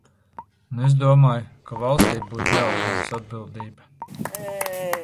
Un es domāju, ka valstij būtu jāuzņemas atbildība.